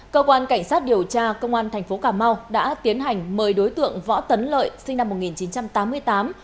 cơ quan cảnh sát điều tra công an thành phố cà mau đã tiến hành mời đối tượng võ tấn lợi sinh năm một nghìn chín trăm tám mươi tám